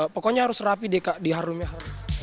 pokoknya harus rapi deh diharumnya